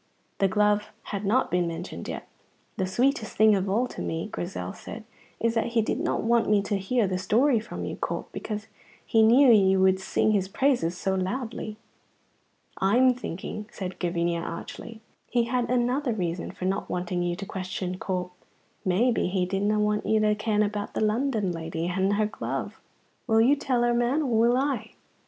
The glove had not been mentioned yet. "The sweetest thing of all to me," Grizel said, "is that he did not want me to hear the story from you, Corp, because he knew you would sing his praise so loudly." "I'm thinking," said Gavinia, archly, "he had another reason for no wanting you to question Corp. Maybe he didna want you to ken about the London lady and her glove. Will you tell her, man, or will I?"